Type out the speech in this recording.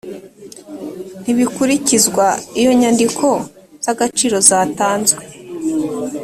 ntibikurikizwa iyo inyandiko z agaciro zatanzwe